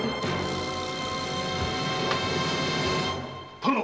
殿！